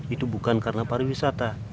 itu bukan karena para wisata